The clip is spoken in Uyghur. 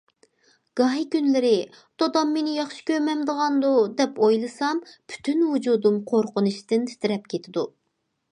گاھى كۈنلىرى« دادام مېنى ياخشى كۆرمەمدىغاندۇ؟» دەپ ئويلىسام، پۈتۈن ۋۇجۇدۇم قورقۇنچتىن تىترەپ كېتىدۇ.